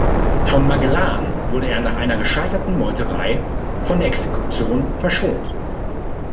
Von Magellan wurde er nach einer gescheiterten Meuterei von der Exekution verschont.